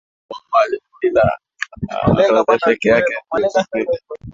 wa jiji la Akhaltsikhe peke yake ilizidi